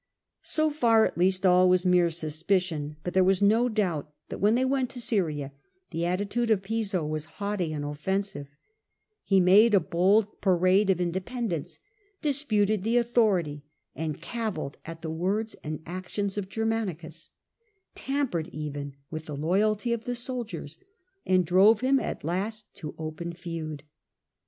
So far at least all was mere suspicion, but there was no doubt that when they went to Syria the attitude of Piso was haughty and offensive. He made a bold parade of independence, disputed the autho .^. rity and cavilled at the words and actions of IIisofTensive .• i i i i ronduct to Gcmianicus, tampered even with the loyalty of Germanicus, soldicrs, anddrove him at last to open feud.